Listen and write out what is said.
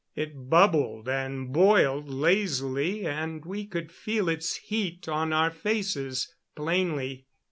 It bubbled and boiled lazily, and we could feel its heat on our faces plainly.